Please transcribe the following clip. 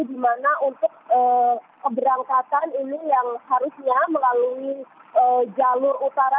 di mana untuk keberangkatan ini yang harusnya melalui jalur utara